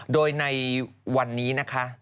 โดยในวันนี้นะคะ